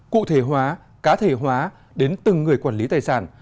cụ thể hóa cá thể hóa đến từng người quản lý tài sản